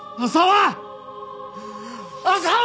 浅輪！